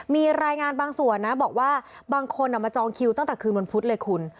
มีรายงานบางส่วนนะบอกว่าบางคนมาจองคิวตั้งแต่คืนวันพุธเลยคุณ